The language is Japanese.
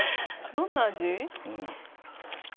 「どんな味？」